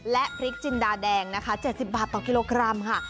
และพริกจินดาแดงนะคะ๗๐บาทต่อกิโลกรัมค่ะ